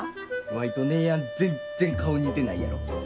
ワイと姉やん全然顔似てないやろ。